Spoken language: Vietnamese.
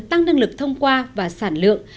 tăng năng lực thông qua và sản lượng